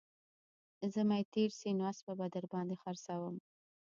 زمى تېر سي نو اسپه به در باندې خرڅوم